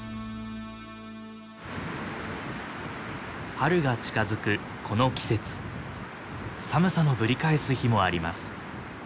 春が近づくこの季節寒さのぶり返す日もあります。